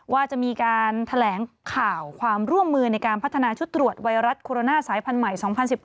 ว่าจะมีการแถลงข่าวความร่วมมือในการพัฒนาชุดตรวจไวรัสโคโรนาสายพันธุ์ใหม่๒๐๑๘